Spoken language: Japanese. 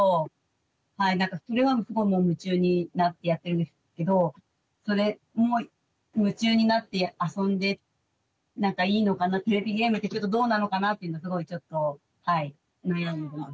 これはもう夢中になってやってるんですけどそれも夢中になってあそんでなんかいいのかなテレビゲームってどうなのかなってすごいちょっとはい悩んでます。